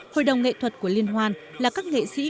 hội đồng nghệ thuật của liên hoan là các nghệ sĩ